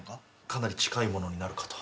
かなり近いものになるかと。